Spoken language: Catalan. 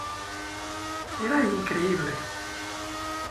Era increïble.